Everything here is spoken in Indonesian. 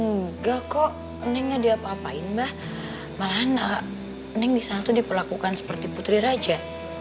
nggak kok neng nggak diapa apain mbah malahan neng disana tuh diperlakukan seperti putri raja